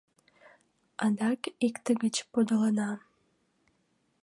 Адак икте гыч подылына.